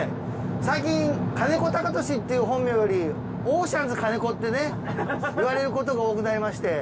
最近金子貴俊っていう本名よりオーシャンズ金子ってね言われることが多くなりまして。